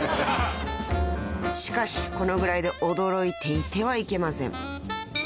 ［しかしこのぐらいで驚いていてはいけません］